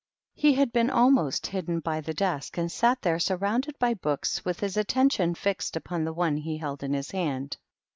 He had been almost hidden by the desk, and sat there, surrounded by books, with his at tention fixed upon the one that he held in his hand.